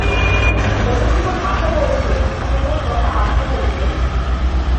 মধুসূদন আশা করেছিল, কুমুর কথা আপনিই উঠবে।